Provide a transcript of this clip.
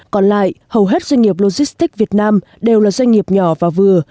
còn lại hầu hết doanh nghiệp logistics việt nam đều là doanh nghiệp nhỏ và vừa